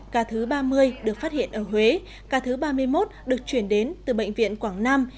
cả thứ ba mươi được phát hiện ở huế cả thứ ba mươi một được chuyển đến từ bệnh viện quảng nam